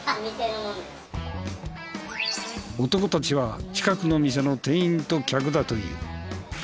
男たちは近くの店の店員と客だという。